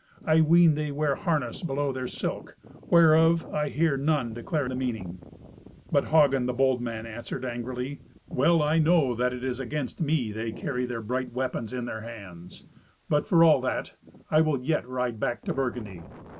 I ween they wear harness below their silk, whereof I hear none declare the meaning." But Hagen, the bold man, answered angrily, "Well, I know that it is against me they carry their bright weapons in their hands. But, for all that, I will yet ride back to Burgundy.